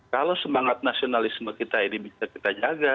kalau semangat nasionalisme kita ini bisa kita jaga